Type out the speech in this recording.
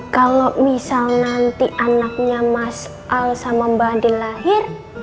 kalau misal nanti anaknya mas al sama mbah hadi lahir